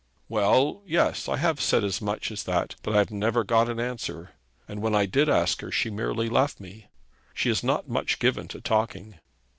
'Well, yes. I have said as much as that, but I have never got an answer. And when I did ask her, she merely left me. She is not much given to talking.'